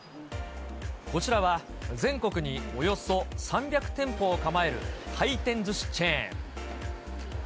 こちらは全国におよそ３００店舗を構える回転ずしチェーン。